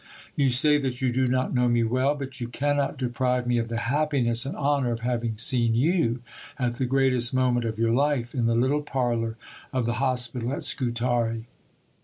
You say that you do not know me well; but you cannot deprive me of the happiness and honor of having seen you at the greatest moment of your life in the little parlour of the hospital at Scutari.